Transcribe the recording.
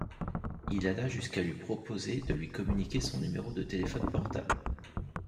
Il alla jusqu’à lui proposer de lui communiquer son numéro de téléphone portable.